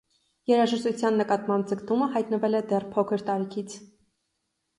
Երաժշտության նկատմամբ ձգտումը հայտնվել է դեռ փոքր տարիքից։